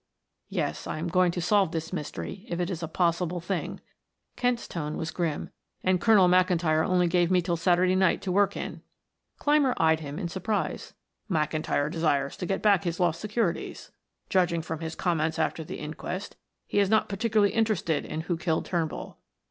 "Yes. I'm going to solve this mystery if it is a possible thing." Kent's tone was grim. "And Colonel McIntyre only gave me until Saturday night to work in." Clymer eyed him in surprise. "McIntyre desires to get back his lost securities; judging from his comments after the inquest, he is not particularly interested in who killed Turnbull."